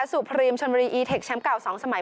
สุพรีมชนบุรีอีเทคแชมป์เก่า๒สมัย